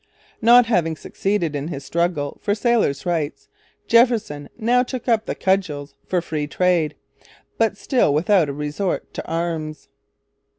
Not having succeeded in his struggle for 'Sailors' Rights,' Jefferson now took up the cudgels for 'Free Trade'; but still without a resort to arms.